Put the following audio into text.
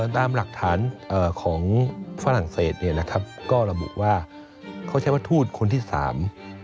ตามหลักฐานของฝรั่งเศสก็ระบุว่าเขาใช้ว่าทูศคนที่สาม